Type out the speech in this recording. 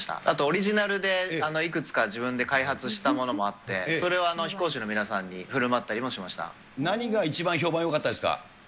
あとオリジナルで、いくつか自分で開発したものもあって、それは飛行士の皆さんにふるまったりも何が一番評判よかったですか。